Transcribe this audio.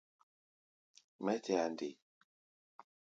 Mɛ́ tɛa nde?